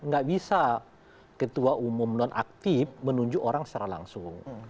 nggak bisa ketua umum nonaktif menunjuk orang secara langsung